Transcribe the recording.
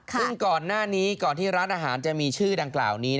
ซึ่งก่อนหน้านี้ก่อนที่ร้านอาหารจะมีชื่อดังกล่าวนี้